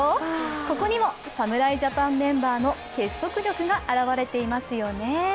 ここにも侍ジャパンメンバーの結束力が現れていますよね。